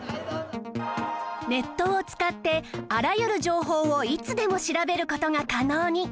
ネットを使ってあらゆる情報をいつでも調べる事が可能に